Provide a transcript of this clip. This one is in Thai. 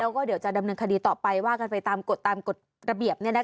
แล้วก็เดี๋ยวจะดำเนินคดีต่อไปว่ากันไปตามกฎตามกฎระเบียบ